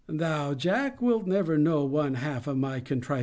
Thou, Jack, wilt never know one half of my contrivances.